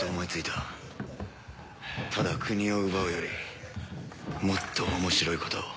ただ国を奪うよりもっと面白いことを。